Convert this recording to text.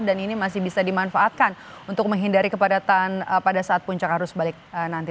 dan ini masih bisa dimanfaatkan untuk menghindari kepadatan pada saat puncak arus balik nanti